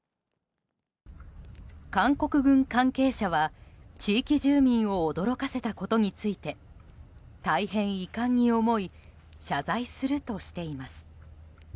韓国軍関係者は地域住民を驚かせたことについて大変遺憾に思い謝罪するとしています。